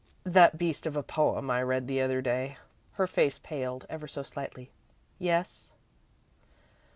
"That beast of a poem I read the other day " Her face paled, ever so slightly. "Yes?"